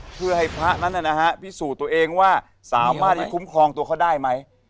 เพื่อให้พระนั้นพิสูจน์ตัวเองว่าสามารถที่คุ้มครองตัวเขาได้ไหม